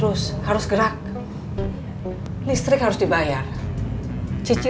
loh tapi nanti